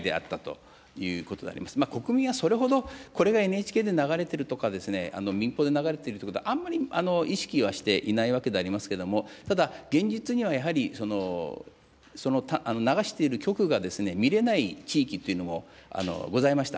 国民はそれほど、これがＮＨＫで流れてるとか、民放で流れてるということ、あんまり意識はしていないわけでありますけれども、ただ、現実にはやはり、その流している局が見れない地域というのもございました。